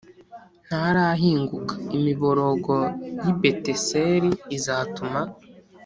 Ntarahinguka imiborogo y i beteseli izatuma